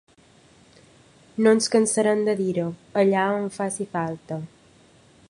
No ens cansarem de dir-ho allà on faci falta.